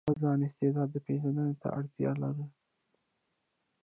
د خپل ځان استعداد پېژندنې ته اړتيا لري.